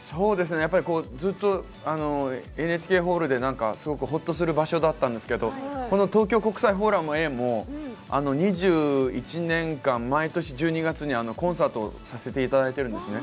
やっぱりずっとＮＨＫホールでほっとする場所だったんですけれど東京国際フォーラムも２１年間、毎年１２月にコンサートをさせていただいているんですね。